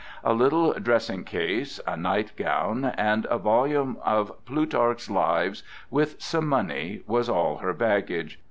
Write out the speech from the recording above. A little dressing case, a night gown and a volume of Plutarch's Lives, with some money, was all her baggage.